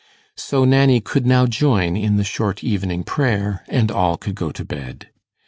So Nanny could now join in the short evening prayer, and all could go to bed.